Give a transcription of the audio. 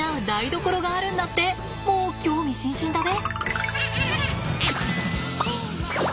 もう興味津々だべ？